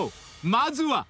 まずは］